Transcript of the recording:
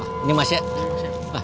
pak ini mas ya